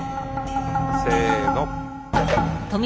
せの。